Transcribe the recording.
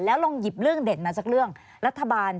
แล้วลองหยิบเรื่องเด่นมาสักเรื่องรัฐบาล